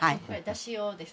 だし用ですね。